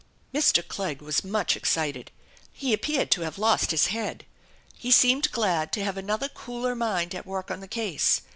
Mr. Clegg was much excited. He appeared to have lost his head. He seemed glad to have another cooler mind at work on the case.